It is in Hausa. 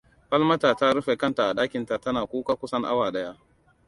Falmata ta rufe kanta a ɗakinta tana kuka kusan awa daya.